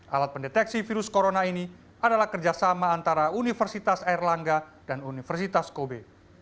alat pendeteksi virus corona ini adalah kerjasama antara universitas airlangga dan universitas kobe